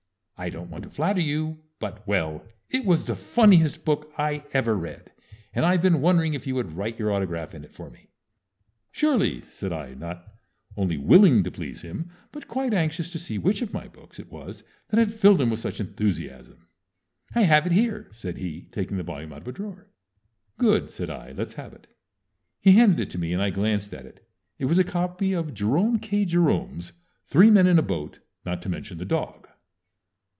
I don't want to flatter you, but well, it was the funniest book I ever read, and I've been wondering if you would write your autograph in it for me." "Surely," said I, not only willing to please him, but quite anxious to see which of my books it was that had filled him with such enthusiasm. "I have it here," said he, taking the volume out of a drawer. "Good!" said I. "Let's have it." He handed it to me, and I glanced at it. _It was a copy of Jerome K. Jerome's "Three Men in a Boat, not to Mention the Dog!"